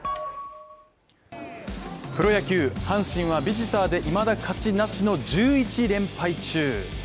プロ野球、阪神はビジターでいまだ勝ちなしの１１連敗中。